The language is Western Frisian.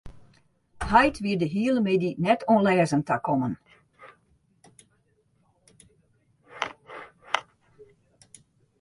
Heit wie de hiele middei net oan lêzen takommen.